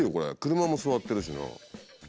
車も座ってるしな。